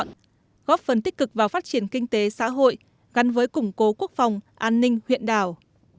mũi nhọn góp phần tích cực vào phát triển kinh tế xã hội gắn với củng cố quốc phòng an ninh huyện đào